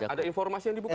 ada informasi yang dibuka